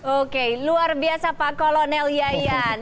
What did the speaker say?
oke luar biasa pak kolonel yayan